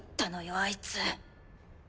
あいつ。